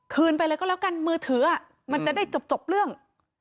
ไปเลยก็แล้วกันมือถือมันจะได้จบเรื่อง